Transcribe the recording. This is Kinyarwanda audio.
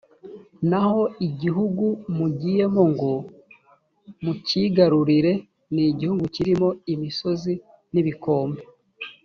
naho igihugu mugiyemo ngo mukigarurire ni igihugu kirimo imisozi n’ibikombe